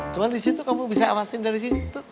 cuma disitu kamu bisa amatin dari sini